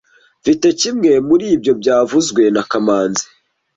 Mfite kimwe muri ibyo byavuzwe na kamanzi